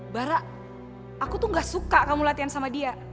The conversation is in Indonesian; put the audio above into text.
bara aku tuh gak suka kamu latihan sama dia